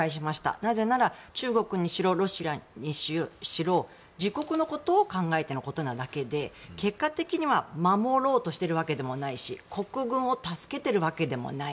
なぜなら、中国にしろロシアにしろ、自国のことを考えてのことなだけで結果的には守ろうとしているわけでもないし国軍を助けているわけでもない。